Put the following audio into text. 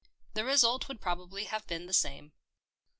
The result would probably have been the same.